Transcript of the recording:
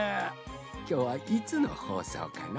きょうはいつのほうそうかのう？